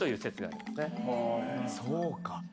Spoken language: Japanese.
そうか。